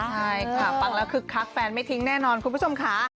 ใช่ค่ะฟังแล้วคึกคักแฟนไม่ทิ้งแน่นอนคุณผู้ชมค่ะ